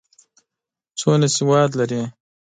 څومره سواد لري؟